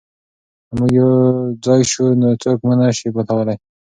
که موږ یو ځای شو نو څوک مو نه شي ماتولی.